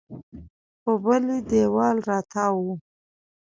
په بلې دېوال راتاو و.